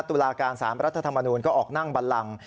ตุลาการ๓รัฐธรรมนูลก็ออกนั่งบันลัง